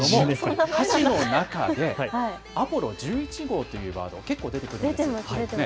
歌詞の中でアポロ１１号というワード、結構出てきますよね。